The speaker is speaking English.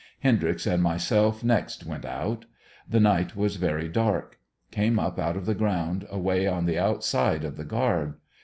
Hendryx and myself next went out. The night was very dark. Came up out of the ground away on the outside of the guard.